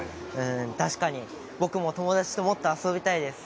確かに僕も友達ともっと遊びたいです。